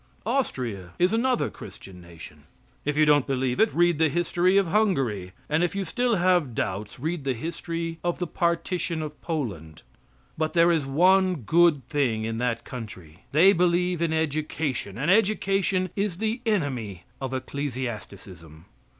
Austria is another Christian nation. If you don't believe it, read the history of Hungary, and, if you still have doubts, read the history of the partition of Poland. But there is one good thing in that country. They believe in education, and education is the enemy of ecclesiasticism.